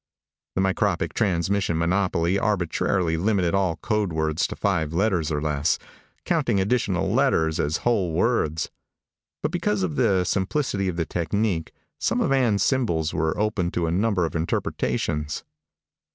The micropic transmission monopoly arbitrarily limited all code words to five letters or less, counting additional letters as whole words. But because of the simplicity of the technique, some of Ann's symbols were open to a number of interpretations.